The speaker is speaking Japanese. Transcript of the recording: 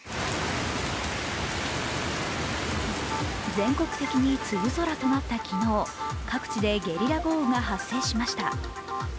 全国的に梅雨空となった昨日、各地でゲリラ豪雨が発生しました。